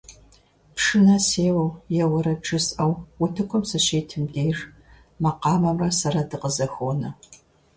Пшынэ сеуэу е уэрэд жысӀэу утыкум сыщитым деж, макъамэмрэ сэрэ дыкъызэхуонэ.